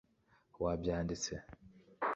wabyanditse